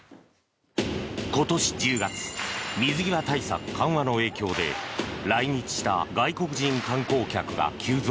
今年１０月水際対策緩和の影響で来日した外国人観光客が急増。